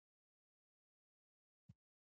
ته په مور و پلار څومره ګران یې؟!